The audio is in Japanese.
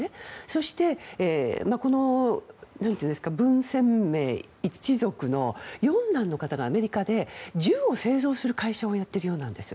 そして、この文鮮明一族の四男の方がアメリカで銃を製造する会社をやっているようなんです。